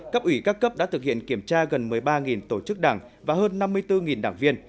cấp ủy các cấp đã thực hiện kiểm tra gần một mươi ba tổ chức đảng và hơn năm mươi bốn đảng viên